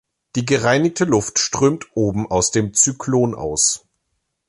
Die gereinigte Luft strömt oben aus dem Zyklon aus.